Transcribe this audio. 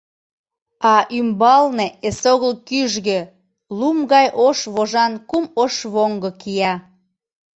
А ӱмбалне эсогыл кӱжгӧ, лум гай ош вожан кум ошвоҥго кия.